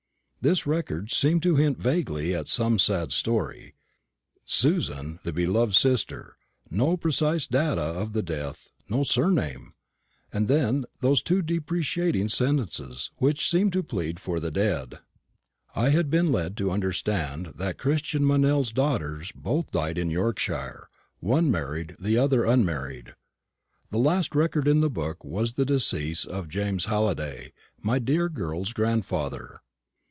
This record seemed to hint vaguely at some sad story: "Susan, the beloved sister;" no precise data of the death no surname! And then those two deprecating sentences, which seemed to plead for the dead. I had been led to understand that Christian Meynell's daughters had both died in Yorkshire one married, the other unmarried. The last record in the book was the decease of James Halliday, my dear girl's grandfather.